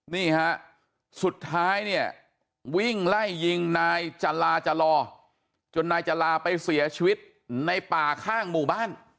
นี่ฮะสุดท้ายเนี่ยวิ่งไล่ยิงนายจราจรจนนายจราไปเสียชีวิตในป่าข้างหมู่บ้าน